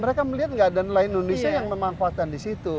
mereka melihat nggak ada nelayan indonesia yang memanfaatkan di situ